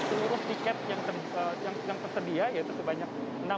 seluruh tiket yang tersedia yaitu sebanyak enam puluh tiga lima ratus